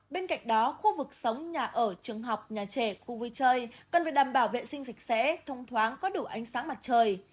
bên cạnh đó khu vực sống nhà ở trường học nhà trẻ khu vui chơi cần phải đảm bảo vệ sinh dịch sẽ thông thoáng có đủ ánh sáng mặt trời